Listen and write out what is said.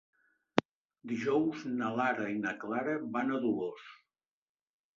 Dijous na Lara i na Clara van a Dolors.